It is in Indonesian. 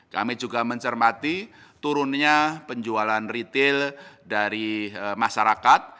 kami juga mencermati turunnya penjualan retail dari masyarakat